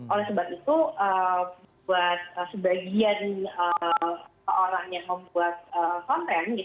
oleh sebab itu buat sebagian orang yang membuat konten